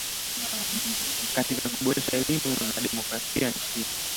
katika kuboresha elimu na demokrasia nchini